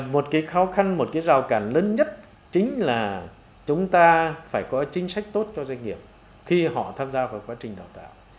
một cái khó khăn một cái rào cản lớn nhất chính là chúng ta phải có chính sách tốt cho doanh nghiệp khi họ tham gia vào quá trình đào tạo